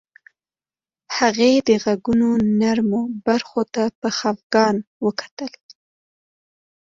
هغې د غوږونو نرمو برخو ته په خفګان وکتل